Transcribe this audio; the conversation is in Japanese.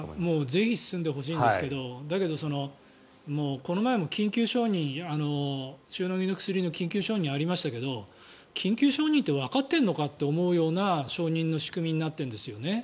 ぜひ進んでほしいんですけどだけど、この前も塩野義の薬の緊急承認ありましたけど緊急承認ってわかっているのかって思うような承認の仕組みになっているんですよね。